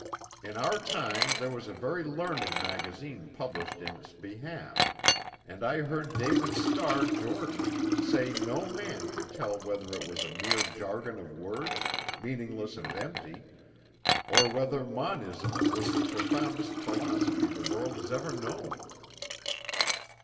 In our time there was a very learned magazine published in its behalf, and I heard David Starr Jordan say no man could tell whether it was a mere jargon of words, meaningless and empty, or whether monism was the profoundest philosophy the world has ever known."